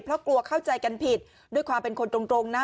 เพราะกลัวเข้าใจกันผิดด้วยความเป็นคนตรงนะ